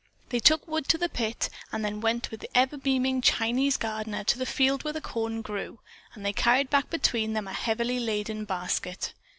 They took wood to the pit and then went with the ever beaming Chinese gardener to the field where the corn grew, and they carried back between them a heavily laden basket.